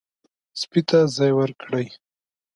سپي ته ځای ورکړئ.